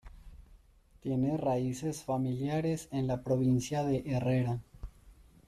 Tiene raíces familiares en la provincia de Herrera.